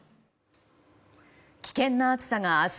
危険な暑さが明日